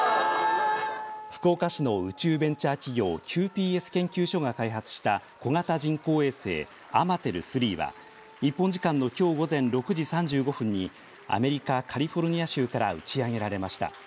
福岡市の宇宙ベンチャー企業ＱＰＳ研究所が開発した小型人工衛星アマテルー３は日本時間のきょう午前６時３５分にアメリカカリフォルニア州から打ち上げられました。